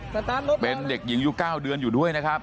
ตาร์ทรถเป็นเด็กหญิงยุค๙เดือนอยู่ด้วยนะครับ